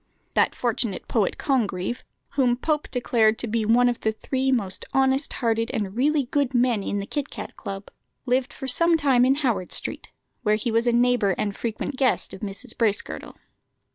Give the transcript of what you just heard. That fortunate poet, Congreve, whom Pope declared to be one of the three most honest hearted and really good men in the Kit cat Club, lived for some time in Howard Street, where he was a neighbour and frequent guest of Mrs. Bracegirdle.